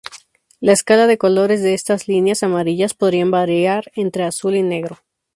La escala de colores de estas líneas amarillas podría variar entre azul y negro.